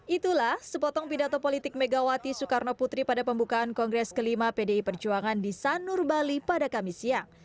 itulah sepotong pidato politik megawati soekarno putri pada pembukaan kongres kelima pdi perjuangan di sanur bali pada kamis siang